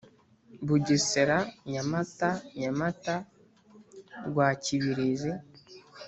Bugesera nyamata nyamata rwakibirizi